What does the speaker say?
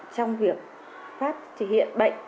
trong việc phát triển hiện bệnh